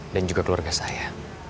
dan juga keluarga saya